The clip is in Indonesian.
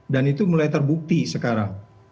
dan itu mulai terbukti sekarang